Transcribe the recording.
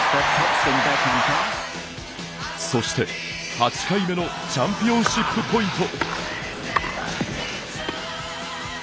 そして、８回目のチャンピオンシップポイント。